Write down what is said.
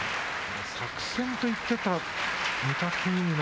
作戦と言ってた御嶽海の。